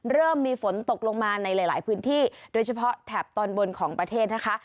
เริ่มมีฝนตกลงมาในหลายพื้นที่โดยเฉพาะแถบตอนบนของประเทศนะคะ